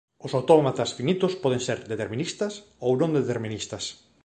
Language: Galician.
Os autómatas finitos poden ser deterministas ou non deterministas.